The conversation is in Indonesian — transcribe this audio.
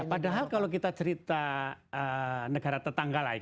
padahal kalau kita cerita negara tetangga lagi